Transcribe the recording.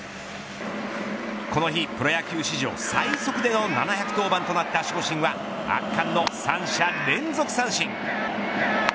この日、プロ野球史上最速での７００登板となった守護神は圧巻の三者連続三振。